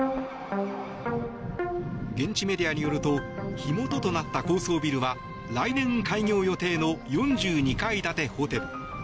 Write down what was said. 現地メディアによると火元となった高層ビルは来年開業予定の４２階建てホテル。